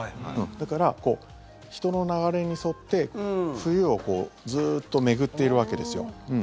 だから、人の流れに沿って冬をずっと巡っているわけです。